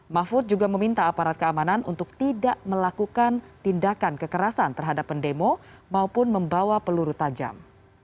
mahfud juga meminta aparat keamanan untuk tidak melakukan tindakan kekerasan terhadap pendemo maupun membawa peluru tajam